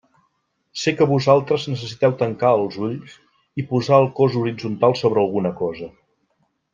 Sé que vosaltres necessiteu tancar els ulls i posar el cos horitzontal sobre alguna cosa.